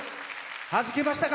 はじけましたか？